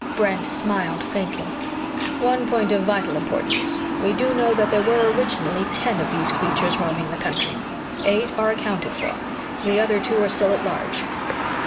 Brent smiled faintly. "One point of vital importance. We do know that there were, originally, ten of these creatures roaming the country. Eight are accounted for. The other two are still at large."